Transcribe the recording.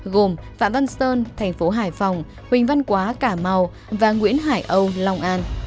gồm phạm văn sơn thành phố hải phòng huỳnh văn quá cả mau và nguyễn hải âu long an